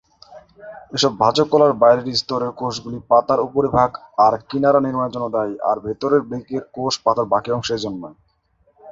এসব ভাজক-কলার বাইরের স্তরের কোষগুলি পাতার উপরিভাগ আর কিনারা নির্মানের জন্যে দায়ী, আর ভেতরের দিকের কোষ পাতার বাকি অংশের জন্যে।